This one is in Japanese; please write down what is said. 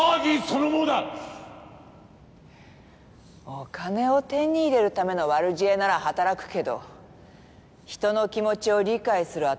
お金を手に入れるための悪知恵なら働くけど人の気持ちを理解する頭はなさそうね。